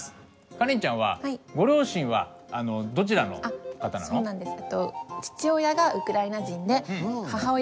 カレンちゃんはご両親はどちらの方なの？のハーフです。